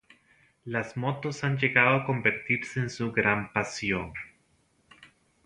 Las motos han llegado a convertirse en su gran pasión.